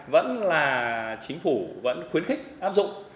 vẫn là chính phủ vẫn khuyến khích áp dụng